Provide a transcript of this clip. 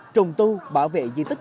trùng tù bảo vệ di tích